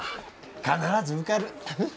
必ず受かる！